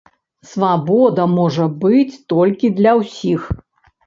Свабода можа быць толькі для ўсіх.